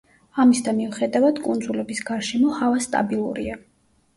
ამისდა მიუხედავად, კუნძულების გარშემო ჰავა სტაბილურია.